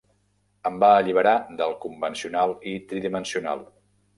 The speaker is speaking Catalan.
Em va alliberar del convencional i tridimensional.